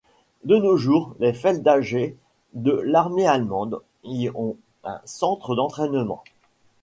De nos jours les Feldjäger de l'armée allemande y ont un centre d'entraînement.